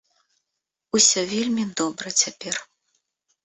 Усё вельмі добра цяпер.